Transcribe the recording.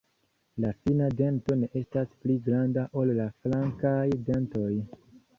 La fina dento ne estas pli granda ol la flankaj dentoj.